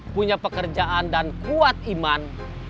punya pekerjaan dan kuat iman